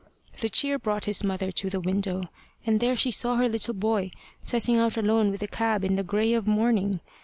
The cheer brought his mother to the window, and there she saw her little boy setting out alone with the cab in the gray of morning.